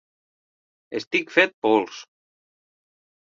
Estic fet pols!